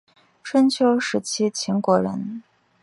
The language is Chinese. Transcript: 春秋时期秦国人。